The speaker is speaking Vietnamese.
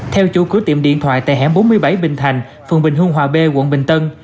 theo chủ cửa tiệm điện thoại tại hẻm bốn mươi bảy bình thành phường bình hương hòa b quận bình tân